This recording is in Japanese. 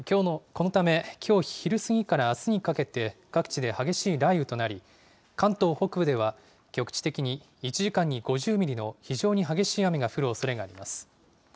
このため、きょう昼過ぎからあすにかけて各地で激しい雷雨となり、関東北部では局地的に１時間に５０ミリの非常に激しい雨が降るおそれがあります。